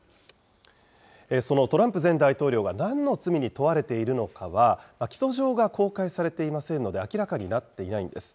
そのトランプ前大統領がなんの罪に問われているのかは、起訴状が公開されていませんので明らかになっていないんです。